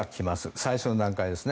最初の段階ですね。